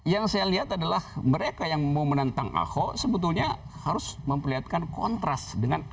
jadi yang saya lihat adalah mereka yang bermenantang aho sebetulnya harus memperlihatkan kontras dengan aho